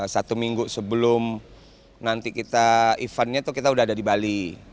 satu minggu sebelum eventnya kita sudah ada di bali